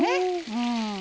うん。